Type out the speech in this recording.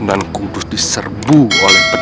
aku gak berhenti